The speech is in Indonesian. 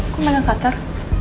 kok malah katar